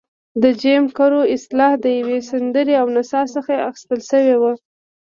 د جیم کرو اصطلاح د یوې سندرې او نڅا څخه اخیستل شوې وه.